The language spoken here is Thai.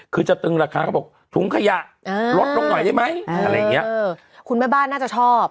คือจะตึงราคาเขาบอกถุงขยะลดลงหน่อยได้ไหมคุณแม่บ้านน่าจะชอบ